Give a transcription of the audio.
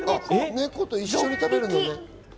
猫と一緒に食べるのね。